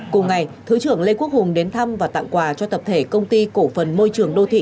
cùng ngày thứ trưởng lê quốc hùng đến thăm và tặng quà cho tập thể công ty cổ phần môi trường đô thị